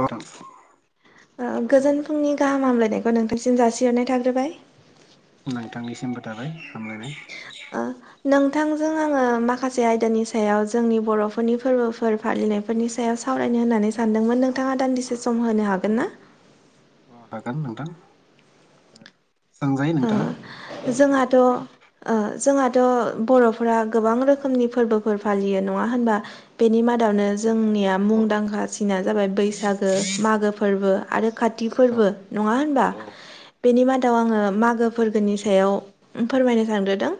अ नोंथां गोजोन फुंनि गाहाम हामलायनायखौ नोंथांसिम जासिहरनाय थाग्रोबाय नोंथांनिसिमबो थाबाय हामलायनाय ओ नोंथांजों आङो माखासे आयदानि सायाव जोंनि बर'फोरनि फोरबोफोर फालिनायफोरनि सायाव सावरायनो होननानै सानदोंमोन नोंथाङा दान्दिसे सम होनो हागोन ना हागोन नोंथां सोंजायो नोंथाङा जोंहाथ' जोंहाथ' बर' फोरा गोबां औ रोखोमनि फोरबोफोर फालियो नङा होनबा बेनि मादावनो जोंनिया औ मुंदांखासिना जाबाय बैसागो मागो फोरबो आरो काति औ फोरबो नङा औ होनबा बेनि मादाव आङो गोदोनि सायाव फोरमायनो सानग्रोदों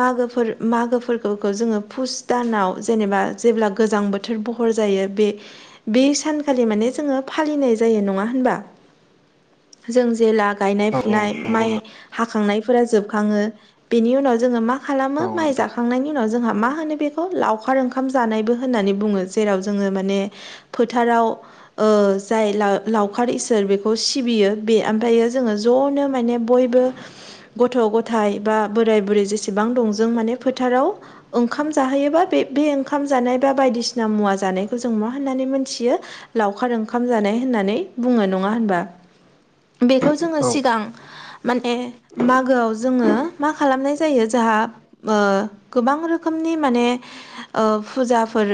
मागो फोर मागो फोरबो खौ जोङो पुस दानाव जेनेबा जेब्ला गोजां बोथोर बहर जायो बे बे सानखालि माने जोङो फालिनाय जायो नङा होनबा जों जे ला गायनाय औ फुनाय नंगौ माइ हाखांनायफोरा जोबखाङो बेनि उनाव जोङो मा खालामो औ माइ नोंथां जाखांनायनि बेनि उनाव जोंहा मा होनो बेखौ लावखार ओंखाम जानायबो होननानै बुङो जेराव जोङो माने फोथाराव जाय लावखार इसोर बेखौ सिबियो बे ओमफ्रायो जोङो जनो माने बयबो गथ' गथाइ बा बोराय बुरै जेसेबां दं जों माने फोथाराव ओंखाम जाहोयोबा बे बे ओंखाम जानाय बा बायदिसिना मुवा जानायखौ जों मा होननानै मोनथियो लावखार ओंखाम जानाय होननानै बुङो नङा होनबा बेखौ जोङो औ सिगां माने मागोआव जोङो मा खालामनाय जायो जोंहा गोबां रोखोमनि माने फुजाफोर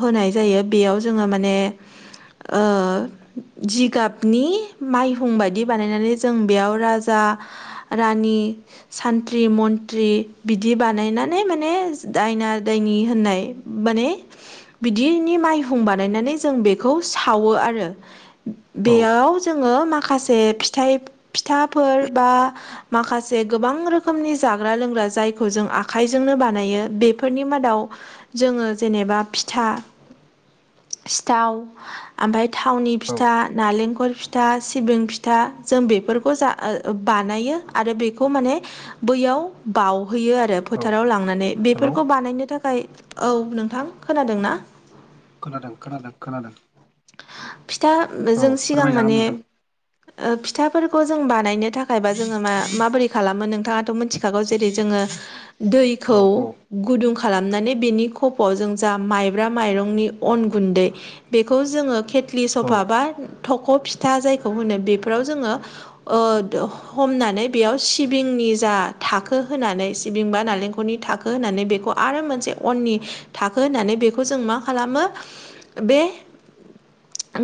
होनाय जायो बेयाव जोङो माने जिगाबनि माइहुं बायदि बानायनानै जों बेयाव राजा जा रानि सानथ्रि मन्थ्रि बिदि बानायनानै माने दायना दायनि होननाय माने बिदिनि माइहुं बानायनानै जों बेखौ सावो आरो औ बेयाव जोङो माखासे फिथाइ फिथाफोर बा माखासे गोबां रोखोमनि जाग्रा लोंग्रा जायखौ जों आखाइजोंनो बानायो बेफोरनि मादाव जोङो जेनेबा फिथा सिथाव ओमफ्राय थावनि औ फिथा नालेंखल फिथा सिबिं फिथा जों बेफोरखौ जा बानायो आरो बेखौ माने बैयाव बावहैयो आरो औ फोथाराव लांनानै हेलौ बेफोरखौ बानायनो थाखाय औ नोंथां खोनादों ना खोनादों खोनादों खोनादों फिथा औ जों सिगां फोरमायजागोन माने नोंथां फिथाफोरखौ जों बानायनो थाखायबा जोङो मा माबोरै खालामो नोंथाङाथ' मिथिखागौ जेरै जोङो औ दैखौ औ गुदुं खालामनानै बेनि खफ'आव जों जा माइब्रा माइरंनि अन गुन्दै बे जोङो केटलि सा औ बा थख' फिथा जाय बेफोराव औ जोङो हमनानै बेयाव सिबिंनि जा थाखो होनानै सिबिं बा नारेंखलनि थाखो होनानै बेखौ आरो मोनसे अननि थाखो होननानै बेखौ जों मा खालामो बे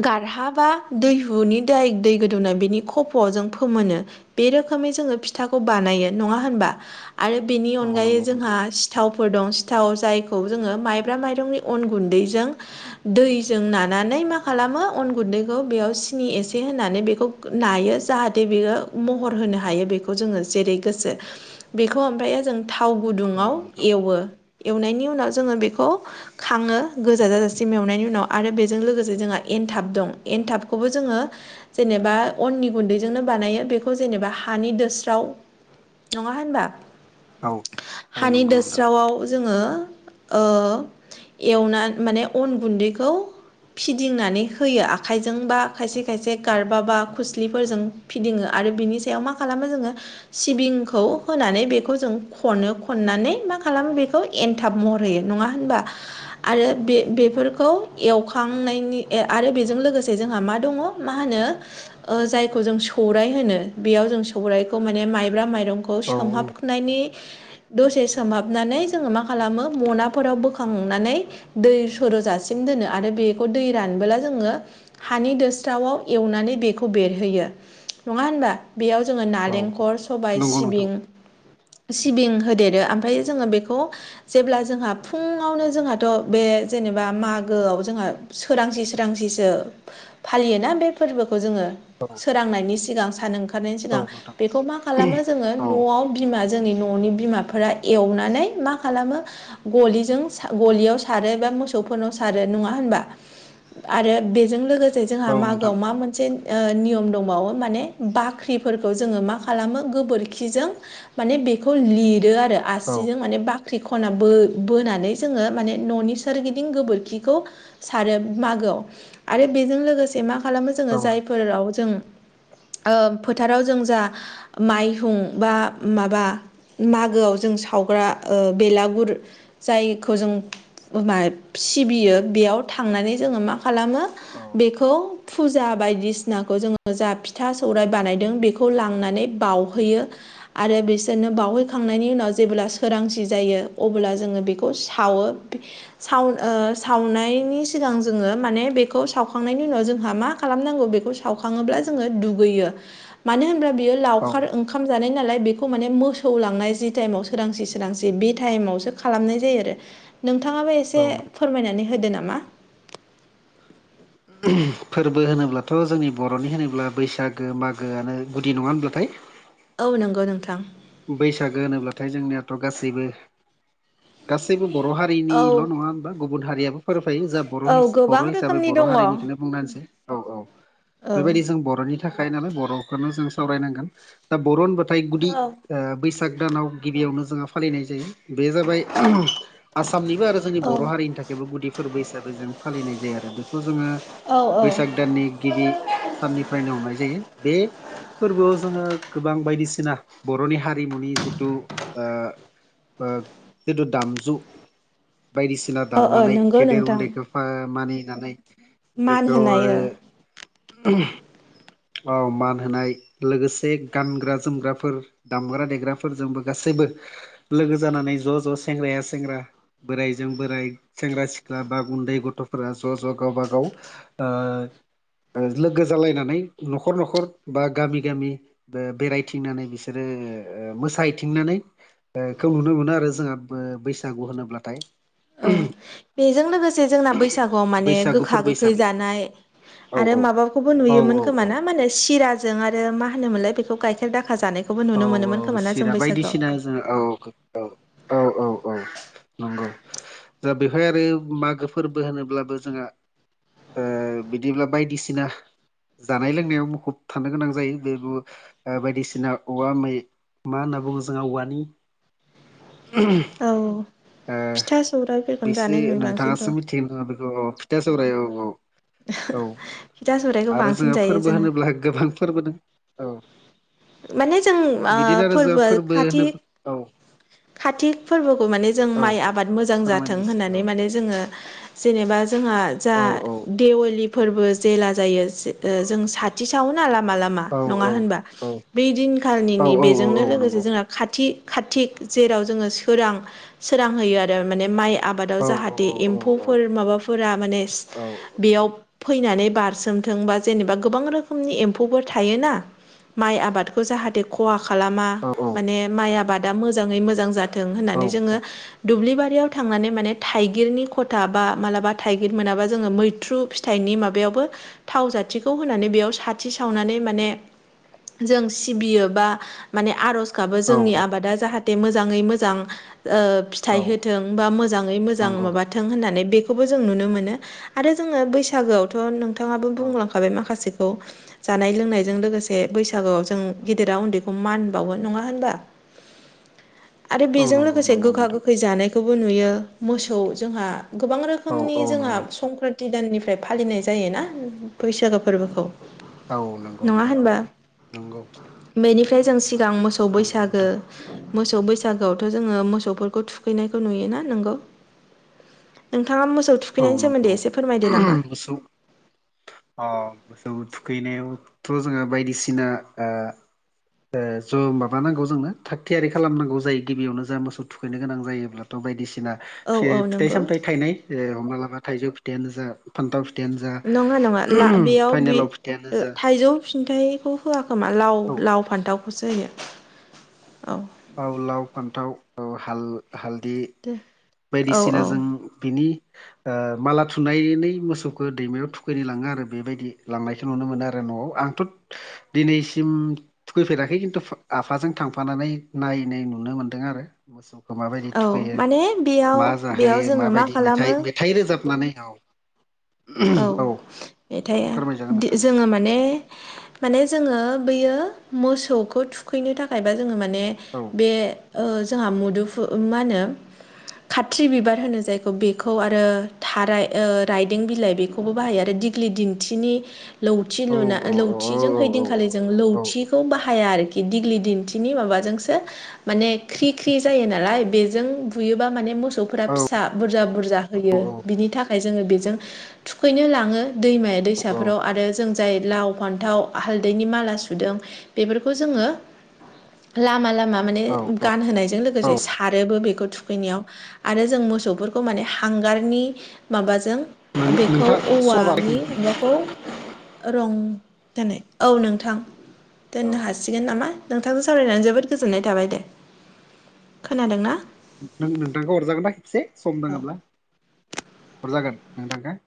गारहाबा दैहुनि दै दै गोदौनाय बिनि खफ'आव जों फोमोनो बे रोखोमै जोङो फिथाखौ बानायो नङा होनबा आरो बेनि औ नंगौ अनगायै जोंहा नोंथां सिथावफोर दं सिथाव जायखौ जोङो माइब्रा माइरंनि अन गुन्दैजों दैजों नानानै नानानै मा खालामो अन गुन्दैखौ बेयाव सिनि एसे होनानै बेखौ नायो जाहाथे बेयो महर होनो हायो बेखौ जोङो जेरै गोसो बेखौ ओमफ्रायओ जों थाव औ गुदुङाव नोंथां एवो एवनायनि उनाव जोङो बेखौ खाङो गोजा जाजासिम एवनायनि उनाव आरो बे जों लोगोसे जोंहा एनथाब दं एनथाबखौबो जोङो जेनेबा औ अननि गुन्दैजोंनो बानायो बेखौ बे खौ जेनेबा हानि दोस्राव नङा होनबा औ हानि नंगौ नोंथां दोस्रावाव जोङो ओ एवनानै माने अन गुन्दैखौ फिदिंनानै होयो आखाइजों बा खायसे खायसे गारबा बा खोस्लिफोरजों फिदिङो आरो बिनि सायाव मा खालामो जोङो सिबिंखौ होनानै बेखौ जों खनो खननानै मा खालामो बेखौ एनथाब महर होयो नङा होनबा आरो बे बेफोरखौ एव खांनायनि आरो बेजों लोगोसे जोंहा मा दङ मा होनो ओ जायखौ जों सौराइ होनो बेयाव जों सौरायाइखौ माने माइब्रा माइरं खौ औ सोमहाबनायनि दसे सोमहाबनानै जोङो मा खालामो मनाफोराव बोखांनानै दै सर'जासिम दोनो आरो बेखौ दै रानबोला जोङो हानि दोस्रावआव एवनानै बेखौ बेरहोयो नङा होनबा बेयाव जोङो औ नालेंखर सबाय नंगौ नोंथां सिबिं सिबिं होदेरो ओमफ्राय जोङो बेखौ जेब्ला जोंहा फुङावनो जोंहाथ' बे जेनेबा माग गोआव जोंहा सोरांसि सोरांसिसो फालियोना बे फोरबोखौ जोङो औ रांनायनि सिगां सान ओंखारनायनि औ सिगां नोंथां बेखौ मा खालामो जोङो औ न'आव बिमा जोंनि न'नि बिमाफोरा एवनानै मा खालामो गलिजों गलियाव सारो एबा मोसौफोरनाव सारो नङा होनबा आरो बेजों लोगोसे जोंहा औ नोंथां मागोआव मा मोनसे ओ नियम दंबावो माने बाख्रिफोरखौ जोङो मा खालामो गोबोरखिजों माने बेखौ लिरो आरो आरो औ आसिजों माने बाख्रि खना बो बोनानै जोङो माने न'नि सोरगिदिं गोबोर खिखौ सारो मागोआव आरो बेजों लोगोसे मा खालामो औ जोङो जाय फोराव जों ओ फोथाराव जों जा माइहुं बा माबा मागोआव जों सावग्रा ओ बेलागुर जायखौ जों मा सिबियो बेयाव थांनानै जोङो मा खालामो बेखौ फुजा बायदिसिनाखौ जोङो जा फिथा सौराइ बानायदों बेखौ खौ लांनानै बावउहोयो आरो बिसोरनो बावहैखांनायनि उनाव जेब्ला सोरांसि जायो अब्ला जोङो बेखौ सावो साउ ओ सावनायनि सिगां जोङो माने बेखौ सावखांनायनि उनाव जोंहा मा खालामनांगौ बेखौ सावखाङोब्ला जोङो दुगैयो मानो होनब्ला बियो औ लावखार ओं खाम जानाय नालाय बेखौ माने मोसौ लांनाय जि टाइमाव सोरांसि सोरांसि बे टाइमावसो खालामनाय जायो आरो नोंथाङाबो एसे बावनो फोरमायनानै होदो नामा फोरबो होनोब्लाथ' जोंनि बर'नि होनोब्ला बैसागो मागोआनो गुदि नङा होनब्लाथाय औ नंगौ नोंथां बैसागो होनोब्लाथाय जोंनियाथ' गासैबो गासैबो बर' हारि औ हारिनिल' नङा होनबा गुबुन हारियाबो फोरोफायो जाब बर' औ हिस गोबां बर' हिसाबै रोखोमनि बर' दङ औ हारिनिखौनो बुंना होनिसै औ औ बेबायदि जों बर'नि थाखाय नालाय बर'खोनो जों सावराय नांगोन दा बर' होनबाथाय गुद औ ओ बैसाग दानाव गिबियावनो जोंहा फालिनाय जायो बे जाबाय आसामनिबो आरो जोंनि औ बर' हारिनि था बेबो गुदि फोरबो हिसाबै जों फालिनाय जायो आरो बेखौ जोङो औ औ बैसाग दाननि गिबि साननिफ्रायनो हमनाय जायो बे फोरबोआव जोङो गोबां बायदिसिना बर'नि हारिमुनि जिथु ओ ओ जिथु दामजु बायदिसिना ओ ओ दामनानै नंगौ गेदेर नोंथां उन्दैखौ मानिनानै मान जेखौ होनाय आरो ओ औ मान होनाय लोगोसे गानग्रा जोमग्राफोर दामग्रा देग्राफोरजोंबो गासैबो लोगो जानानै ज' ज' सेंग्राया सेंग्रा। बोराइजों बोराइ सेंग्रा सिख्ला बा उन्दै गथ'फोरा ज' ज' गावबा गाव आ लोगो जालायनानै न'खर न'खर बा गामि गामि बेरायथिंनानै बिसोर। बिसोरो मोसाहथिंनानै। खौ नुनो मोनो आरो जोंहा बैसागु होनोब्लाथाय औ बेजों लोगोसे जोंना बैसागुआव माने बैसागु गोखा फोरबो गोखै हिसाबै जानाय। औ आरो औ माबाखौबो औ नुयोमोन औ खोमा ना मा होने सिरा जों आरो मा होनोमोनलाय बेखौ गाइखेर दाखा जानायखौबो औ नुनो मोनोमोन औ खोमा ना जों सिरा बैसागोआव। बायदिसिना औ औ औ औ औ नंगौ। द बेवहाय आरो मागो फोरबो होनोब्लाबो जोंहा। बिदिब्ला बायदिसिना। जानाय लोंनायाव मुखुब थानो गोनां जायो बेबो बायदिसिना। औवा मै मा होनना बुङो जोंहा औवानि औ फिथा सौराइफोरखौनो बिसो जानाय नुयो बांसिनथ' नोंथाङासो मि तस औ फिथा सौराइखौ आरो बांसिन जोहा जायो फोरबो जोङो होनोब्ला गोबां फोरबो दं औ। माने जों ओ बिदिनो आरोोजा फोरबोआ फोरबो होनो औ। खाातिक फोरबोखौ माने जों औ माइ आबाद मोजां जाथों फोरमायनाय एसे औ होननानै माने। जोङो जेनेबा जोंहा जा औ औ देवालि फोरबो जेला जायो जों साथि सावना। औ नङा होनबा औ बै औ दिनखालिनिनि बेजोंनो लोगोसे जोंहा खाथि खाथि जेराव जोङो सोरां सोरां होयो आरो माने माइ आबादाव जाहाथे एम्फौ। फोर माबाफोरा माने। बेयाव फैनानै बारसोमथों बा जेनेबा गोबां रोखोमनि एम्फौफोर थायोना माइ आबादखौ जाहाथे खहा खालामा। माने माइ आबादा मोजाङै मोजां जाथों होननानै जोङो। औ दुब्लिबारियाव थांनानै माने थाइगिरनि खथा बा मालाबा थाइगिर मोनाबा जोङो मैथ्रु। फिथाइनि माबायावबो थाव जाथिखौ होनानै बेयाव साथि सावनानै माने। जों सिबियो बा माने आर'ज। खाबो जोंनि आबादा जाहाथे मोजाङै मोजां औ फिथाइ होथों। बा मोजाङै मोजां नंगौ माबाथों होननानै बेखौबो जों नुनो मोनो। आरो जोङो बैसागोआवथ' न बिथाङाबो औ बुंलांखाबाय माखासेखौ जानाय लोंनायजों लोगोसे बैसागोआव जों औ गेदेरा उन्दै। मान बावोन नङा होनबा आरो औ नंगौ औ बेजों नंगौ लोगोसे नंगौ गोखा नोंथां गोखै जानायखौबो नुयो मोसौ जोंहा गोबां रोखोम। औ रोखोमनि औ जोंहा नंगौ संक्रान्ति दाननिफ्राय फालिनाय जाय ना बैसागो फोरबोखौ। औ नंगौ नङा नोंथां होनबा नंगौ बेनिफ्राय जों सिगां मोसौ मोसौ नंगौ बैसागो नोंथां मोसौ बैसागोआवथ' जोङो मोसौफोरखौ थुखैनायखौ नुयोना नोंगौ। नोंथाङा मोसौ औ थुखैनायनि नंगौ सोमोन्दै एसे फोरमायदो नामा? मोसौ अ मोसौ थुखैनायावथ' जोङो बायदिसिना। ज' माबाानांगौ जोंनो थाग थियारि खालामनांगौ जायो गिबियावनो जा मोसौ थुखैनो गोनां जायोब्ला। बायदिसिना औ औ फिथाइ नंगौ सामथायाइ थाइनाय माब्लाबा थाइजौ फिथाइनो जा फान्थाव फिथायाइानो नङा नङा जा ला बेयाव बे फाइनेलाव फिथाइनो जा थाइजौ फिन्थाइखौ होआखोमा लाव औ लाव फान्थावखौसो होयो औ। बाव लाव फान्थाव हाल हालदै। दे औ बायदिसिना औ जों बिनि माला थुनायनि मोसौखौ दैमायाव थुखैनो लाङो आरो बेबायदि लांनायखौ नुनो मोनो आरो न'आव। आंथ' दिनैसिमु फैफेराखै खिन्थु आफाजों थांफानानै। मारिनाय नुनो मोन्दों आरो मोसौखौ माबायदि औ थुखैयो माने बेयाव मा बेयाव जाहोयो जोङो मा माबायदि मेथाइ खालामो मेथाइ रोजाबनानै औ औ मेथाया फोरमायजागोन नोंथां जोङो माने माने जोङो बैयो मोसौखौ थुखैनो थाखायबा जोङो माने औ बे जोंहा मुदुफु मा होनो खाथ्रि बिबार होनो जायखौ बे खौ आरो औ थाराय ओ रायदों बिलाइ बेखौबो बाहायो आरो दिग्लि दिन्थिनि लौथि औ लुना औ औ लौथिजों हैैदिंखालि जों औ लौथिखौ बाहाया आरोखि दिग्लि दिन्थिनि माबाजोंसो माने ख्रि ख्रि जायो नालाय बेजों बुयोबा माने मोसौ फोरा औ फिसा बुरजा बुरजा होयो बिनि थाखाय जोङो बेजों थुखैनो लाङो दैमा दैसाफोराव आरो जों जाय लाव फान्थाव हालदैनि माला सुदों बेफोरखौ जोङो लामा लामा माने औ गानहोनायजों औ लोगोसे थारोबो बेखौ थुखैनायाव आरो जों मोसौफोरखौ माने हांगारनि माबाजों बेखौ नोंथां समा औवानि बारबाय म खौ रं दोनै औ नोंथां दोननो हासिगोन नामा नोंथांजों सावरायनानै जोबोद गोजोननाय थाबाय दे खोनादोंना नों नोंथांखौ हरजागोन दा खेबसे सम औ दङोब्ला हरजागोन नोंथांखो